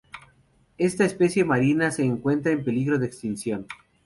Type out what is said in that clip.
Esta especie marina se encuentra en peligro de extinción.